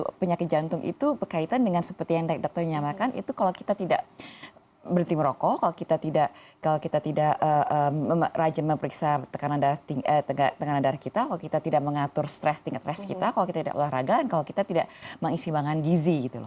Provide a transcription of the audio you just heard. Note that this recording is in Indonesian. kalau penyakit jantung itu berkaitan dengan seperti yang dokter nyamakan itu kalau kita tidak berhenti merokok kalau kita tidak rajin memeriksa tekanan darah kita kalau kita tidak mengatur stres tingkat stres kita kalau kita tidak olahraga kalau kita tidak mengisi bahanan gizi gitu loh